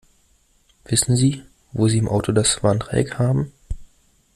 Wissen Sie, wo sie im Auto das Warndreieck haben?